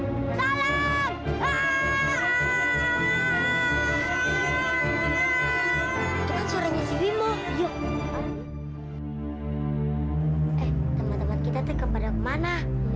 hai salam ah ah ah ah suaranya siwimo yuk teman teman kita kepada kemana